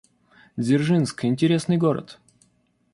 Дзержинск — интересный город